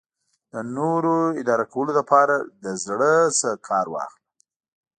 د نورو اداره کولو لپاره له زړه کار واخله.